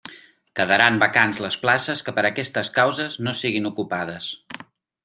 Quedaran vacants les places que per aquestes causes no siguen ocupades.